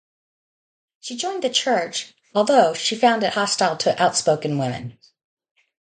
She joined the church, although she found it hostile to outspoken women.